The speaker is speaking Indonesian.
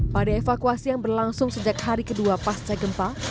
pada evakuasi yang berlangsung sejak hari kedua pasca gempa